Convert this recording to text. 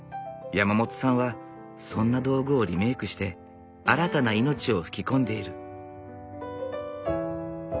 山本さんはそんな道具をリメークして新たな命を吹き込んでいる。